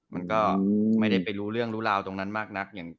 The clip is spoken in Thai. มันก็ไม่ได้ไปรู้เรื่องรู้ราวตรงนั้นมากนักอย่าง